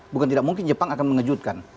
bukan tidak mungkin jepang akan mengejutkan